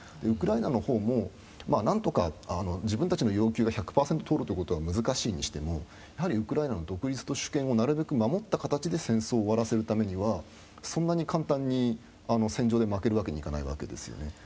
ウクライナのほうも何とか自分たちの要求が１００％通るということは難しいにしてもウクライナの独立と主権をなるべく守った形で戦争を終わらせるためにはそう簡単に戦場で負けるわけにいかないわけですよね。